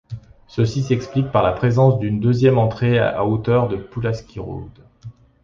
Ceci s’explique par la présence d’une deuxième entrée à hauteur de Pulaski Road.